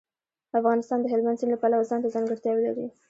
افغانستان د هلمند سیند له پلوه ځانته ځانګړتیاوې لري.